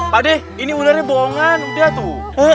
pak d ini udarnya bohongan udah tuh